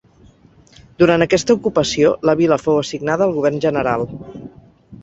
Durant aquesta ocupació, la vila fou assignada al Govern General.